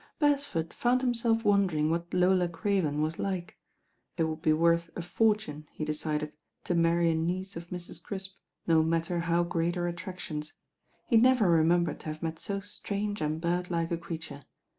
Beresford found himself wondering what Lola Craven was like. It would be worth a fortune, he decided, to marry a niece of Mrs. Crisp, no matter how great her attractions. He never remembered to have met so strange and bird like a creature.